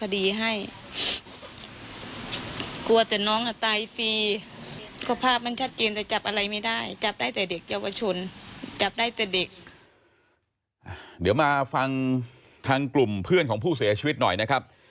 เดี๋ยวมาฟังทางกลุ่มเพื่อนของผู้เสียชีวิตหน่อยนะครับ